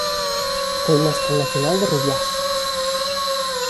Foi mestra nacional de Rubiás.